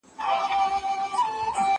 کومول زړه نا زړه سو تېر له سر او تنه